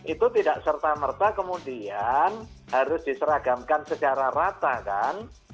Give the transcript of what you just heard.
itu tidak serta merta kemudian harus diseragamkan secara rata kan